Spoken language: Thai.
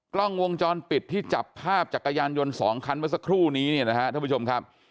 กล้องวงจรปิดที่จับภาพจักรยานยนต์๒คันเมื่อสักครู่นี้เนี่ยนะฮะท่านผู้ชมครับ